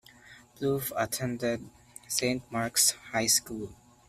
Plouffe attended Saint Mark's High School.